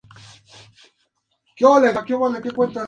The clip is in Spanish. Nick retiene a Orson pero Angelina consigue escapar.